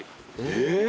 えっ！